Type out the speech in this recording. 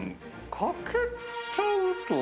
掛けちゃうと。